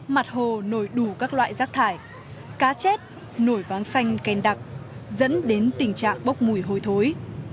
mặt hồ nổi đủ các loại rác thải cá chết nổi ván xanh khen đặc dẫn đến tình trạng bốc mùi hôi thối